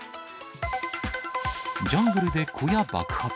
ジャングルで小屋爆発。